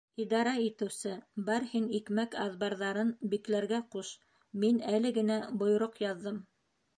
Идара итеүсе, бар һин икмәк аҙбарҙарын бикләргә ҡуш, мин әле генә бойороҡ яҙҙым.